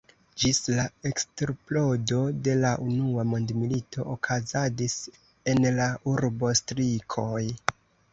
Ĝis la eksplodo de la Unua Mondmilito okazadis en la urbo strikoj.